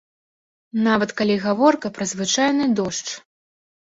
Нават калі гаворка пра звычайны дождж.